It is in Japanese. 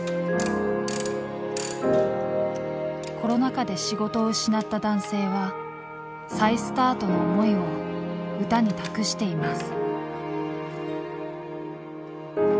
コロナ禍で仕事を失った男性は再スタートの思いを歌に託しています。